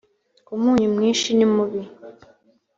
umunyu mwinshi nimubi.